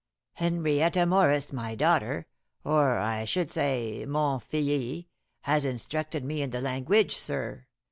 "Henrietta Morris, my daughter or I should say, mon filly has instructed me in the languidge, sir.